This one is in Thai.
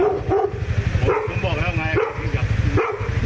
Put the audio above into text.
โอเคผมบอกแล้วไง